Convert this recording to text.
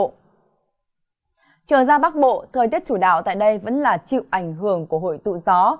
trở ra bắc bộ thời tiết chủ đạo tại đây vẫn là chịu ảnh hưởng của hội tụ gió